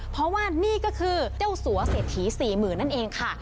เพราะว่านี่ก็คือเจ้าสัวเศรษฐี๔๐๐๐นั่นเองค่ะ